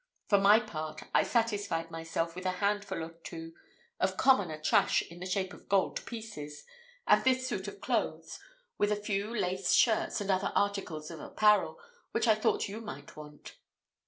For my part, I satisfied myself with a handful or two of commoner trash in the shape of gold pieces, and this suit of clothes, with a few lace shirts and other articles of apparel, which I thought you might want."